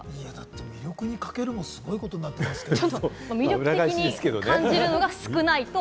魅力に欠けるも、すごいことになってますけど。